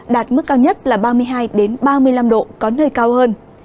đạt mức cao nhất là ba mươi hai ba mươi năm độ có nơi cao hơn